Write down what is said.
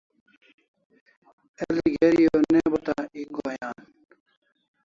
El'i geri o ne bata ek goi'n an